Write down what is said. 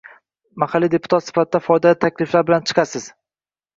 Mahalliy deputat sifatida foydali takliflar bilan chiqasiz